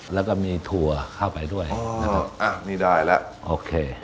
แล้วก็มีถั่วเข้าไปด้วยนะครับอ่ะนี่ได้แล้วโอเค